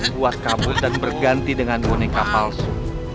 buat kabut dan berganti dengan boneka palsu